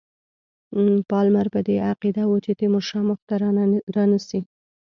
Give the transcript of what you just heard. پالمر په دې عقیده وو چې تیمورشاه مخته رانه سي.